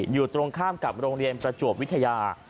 อยู่ตรงข้ามกับโรงเรียนประจวบวิทยา